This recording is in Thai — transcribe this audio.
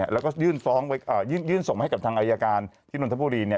แล้วก็ยื่นส่งให้กับทางอายการที่นนทบุรี